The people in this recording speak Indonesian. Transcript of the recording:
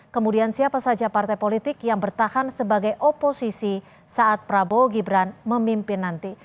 kemudian siapa saja partai politik yang bertahan sebagai oposisi saat prabowo gibran memimpin nanti